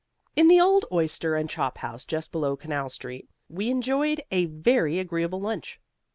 In the old oyster and chop house just below Canal Street we enjoyed a very agreeable lunch.